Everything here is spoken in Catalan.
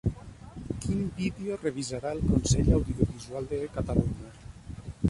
Quin vídeo revisarà el Consell Audiovisual de Catalunya?